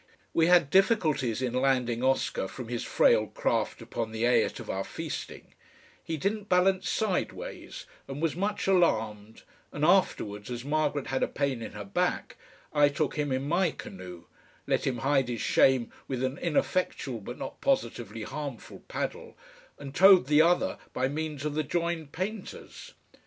We had difficulties in landing Oscar from his frail craft upon the ait of our feasting, he didn't balance sideways and was much alarmed, and afterwards, as Margaret had a pain in her back, I took him in my canoe, let him hide his shame with an ineffectual but not positively harmful paddle, and towed the other by means of the joined painters.